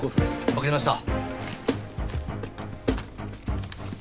わかりました。